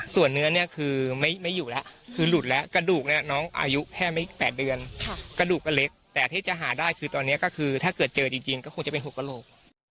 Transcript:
ส่วนเนื้อเนี่ยคือไม่อยู่แล้วคือหลุดแล้วกระดูกเนี่ยน้องอายุแค่ไม่๘เดือนกระดูกก็เล็กแต่ที่จะหาได้คือตอนนี้ก็คือถ้าเกิดเจอจริงก็คงจะเป็น๖กระโหลก